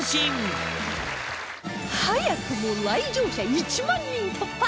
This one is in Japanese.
早くも来場者１万人突破！